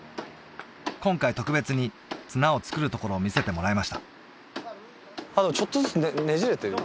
今回特別に綱を作るところを見せてもらいました